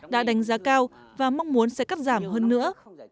đã đánh giá cao và mong muốn sẽ cắt giảm hơn nữa